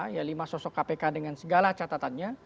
ya lima sosok kpk dengan segala catatannya